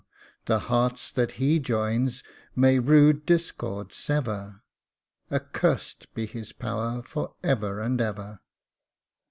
the hearts that he joins may rude discord sever ; Accursed be his power for ever and ever."